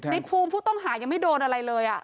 ในภูมิผู้ต้องหายังไม่โดนอะไรเลย